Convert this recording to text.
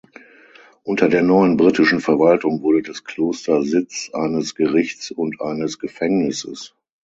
Unter der neuen britischen Verwaltung wurde das Kloster Sitz eines Gerichts und eines Gefängnisses.